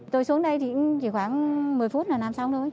tôi xuống đây chỉ khoảng một mươi phút là nàm xong rồi